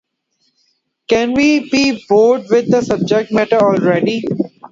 Can we be bored with the subject matter already?